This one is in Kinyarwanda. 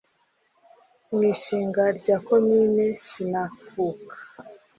Mu ishinga rya Komine sinakuka